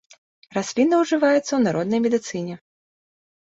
Расліна ўжываецца ў народнай медыцыне.